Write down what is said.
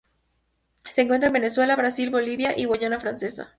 Se encuentra en Venezuela, Brasil, Bolivia y la Guayana Francesa.